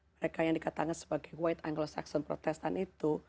mereka yang dikatakan sebagai white anglo saxon protestan itu